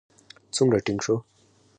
څومره ټينګ شو.